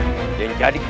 dan untuk menjaga kebenaran